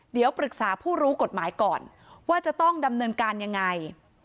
เดี๋ยวปรึกษาผู้รู้กฎหมายก่อนว่าจะต้องดำเนินการยังไง